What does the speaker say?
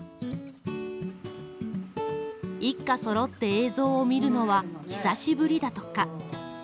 一家そろって映像を見るのは久しぶりだとか。